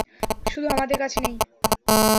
শুধু আমাদের কাছে নেই।